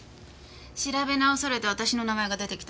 調べ直されて私の名前が出てきたら困るでしょ。